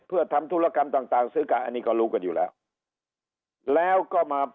เพื่อทำธุรกรรมต่างต่างซื้อกันอันนี้ก็รู้กันอยู่แล้วแล้วก็มา